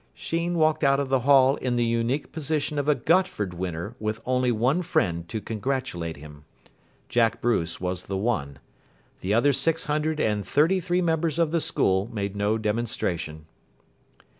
Sheen walked out of the Hall in the unique position of a Gotford winner with only one friend to congratulate him. Jack Bruce was the one. The other six hundred and thirty three members of the school made no demonstration.